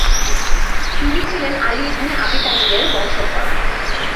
তিনি ছিলেন Ali ibn Abi তালিবের বংশধর ।